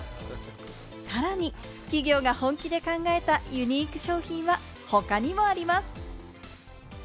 さらに企業が本気で考えたユニーク商品が他にもあります。